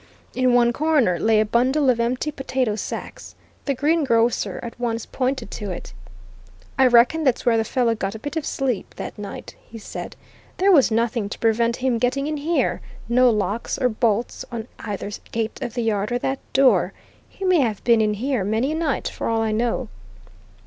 In one corner lay a bundle of empty potato sacks the greengrocer at once pointed to it. "I reckon that's where the fellow got a bit of a sleep that night," he said. "There was nothing to prevent him getting in here no locks or bolts on either gate of the yard or that door. He may have been in here many a night, for all I know."